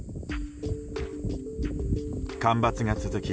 干ばつが続き